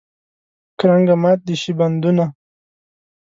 کرنګه مات دې شي بندونه.